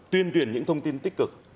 tuyên truyền những thông tin tích cực